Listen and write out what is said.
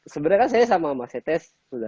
sebenarnya saya sama mas etes